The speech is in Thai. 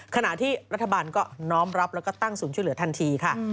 ขณะที่รัฐบาลก็น้อมรับแล้วก็ตั้งศูนย์ช่วยเหลือทันทีค่ะ